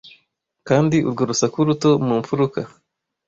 kandi urwo rusaku ruto mu mfuruka